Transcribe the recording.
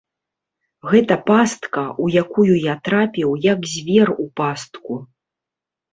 Гэта пастка, у якую я трапіў, як звер у пастку.